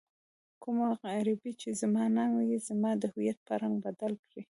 کومه غريبي چې زما ننګ يې زما د هويت په رنګ بدل کړی.